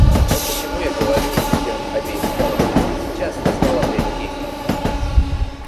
Вот почему я говорю лидерам обеих сторон: сейчас настало время действовать.